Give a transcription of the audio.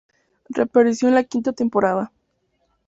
Reapareció en la quinta temporada.